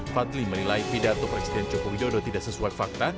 fadli menilai pidato presiden joko widodo tidak sesuai fakta